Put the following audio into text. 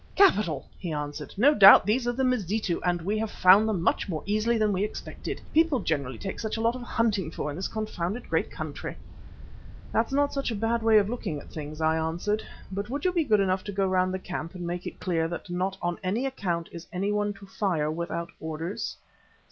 "Capital!" he answered. "No doubt these are the Mazitu, and we have found them much more easily than we expected. People generally take such a lot of hunting for in this confounded great country." "That's not such a bad way of looking at things," I answered, "but would you be good enough to go round the camp and make it clear that not on any account is anyone to fire without orders.